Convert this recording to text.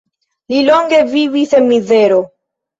Li longe vivis en mizero.